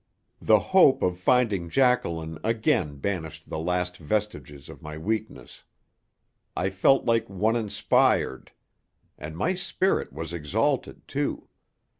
The hope of finding Jacqueline again banished the last vestiges of my weakness. I felt like one inspired. And my spirit was exalted, too.